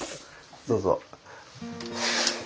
どうぞ。